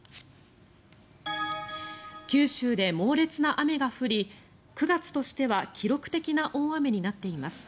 九州で猛烈な雨が降り９月としては記録的な大雨になっています。